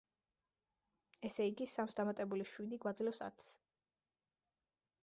ესე იგი, სამს დამატებული შვიდი გვაძლევს ათს.